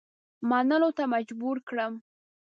منلو ته مجبور کړم.